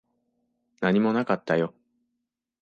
何もなかったよ。